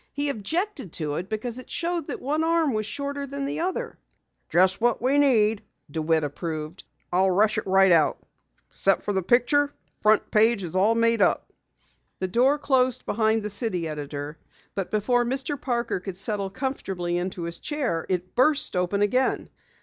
He objected to it because it showed that one arm was shorter than the other." "Just what we need!" DeWitt approved. "I'll rush it right out. Except for the picture, the front page is all made up." The door closed behind the city editor, but before Mr. Parker could settle comfortably into his chair, it burst open again.